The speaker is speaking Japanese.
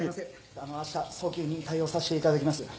あのあした早急に対応させていただきます。